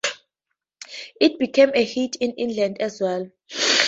It became a hit in England as well.